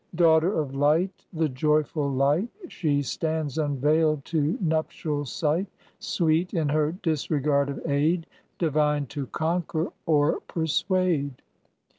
Daughter of light, the joyful light, She stands unveiled to nuptial sight, Sweet in her disregard of aid Divine to conquer or persuade.